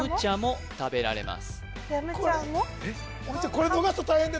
これ逃すと大変だよ